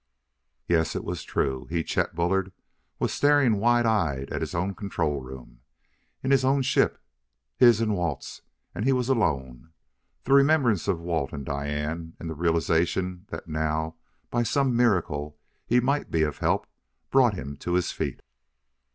Yes, it was true! He, Chet Bullard, was staring wide eyed at his own control room, in his own ship his and Walt's and he was alone! The remembrance of Walt and Diane, and the realization that now, by some miracle, he might be of help, brought him to his feet.